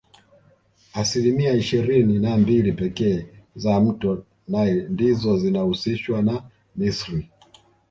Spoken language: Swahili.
Asilimia ishirini na mbili pekee za mto nile ndizo zinahusishwa na misri